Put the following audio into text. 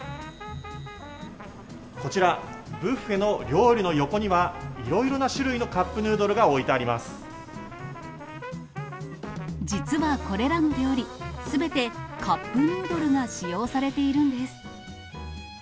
こちら、ビュッフェの料理の横には、いろいろな種類のカップヌードル実はこれらの料理、すべてカップヌードルが使用されているんです。